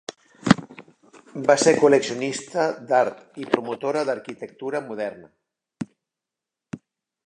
Va ser col·leccionista d'art i promotora de l'arquitectura moderna.